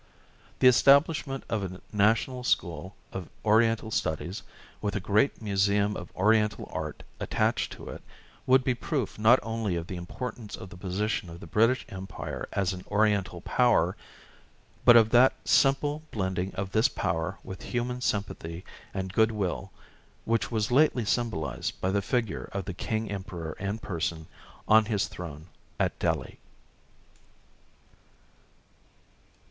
The establishment of a national school of Oriental studies, with a great Museum of Oriental Art attached to it, would be a proof not only of the importance of the position of the British Empire as an Oriental power, but of that simple blending of this power with human sympathy and goodwill which was lately symbolized by the figure of the King Emperor in person on his throne at Delhi.